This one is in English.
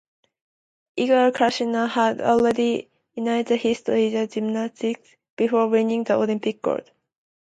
Igor Cassina had already entered the history of gymnastics before winning the Olympic gold.